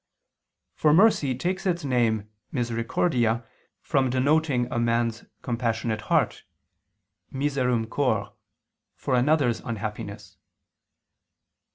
For mercy takes its name misericordia from denoting a man's compassionate heart (miserum cor) for another's unhappiness.